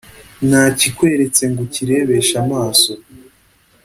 Nakikweretse ngo ukirebeshe amaso